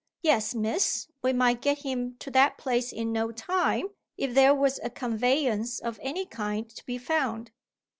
"Yes, Miss; we might get him to that place in no time, if there was a conveyance of any kind to be found."